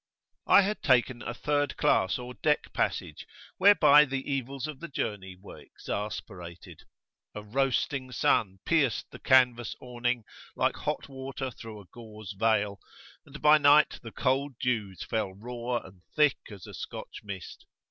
I had taken a third class or deck passage, whereby the evils of the journey were exasperated. A roasting sun pierced the canvas awning like hot water through a gauze veil, and by night the cold dews fell raw and thick as a Scotch mist.